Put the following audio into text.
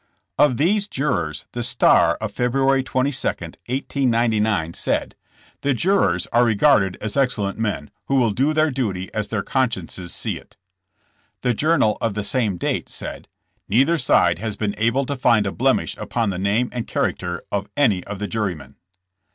Of these jurors the Star of February 22, 1899, said : I^HK TCRlAt FOR I'RAliT ROBfiKRV. 139 ''The jurors are regarded as excellent men, who will do their duty as their consciences see if N The Journal of the same date said ;Neither side has been able to find a blemish upon the name and character of any of the jurymen.